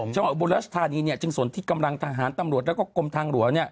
อุบลรัชธานีจึงสนที่กำลังทหารตำรวจแล้วก็กรมทางหลวง